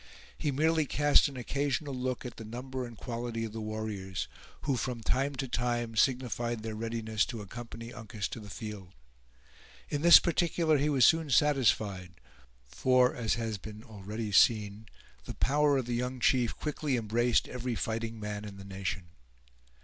He merely cast an occasional look at the number and quality of the warriors, who, from time to time, signified their readiness to accompany Uncas to the field. In this particular he was soon satisfied; for, as has been already seen, the power of the young chief quickly embraced every fighting man in the nation.